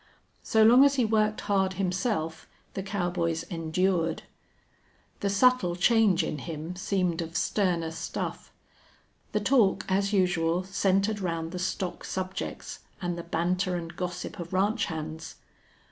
So long as he worked hard himself the cowboys endured. The subtle change in him seemed of sterner stuff. The talk, as usual, centered round the stock subjects and the banter and gossip of ranch hands.